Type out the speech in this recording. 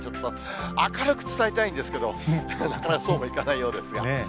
明るく伝えたいんですけど、なかなかそうもいかないようですが。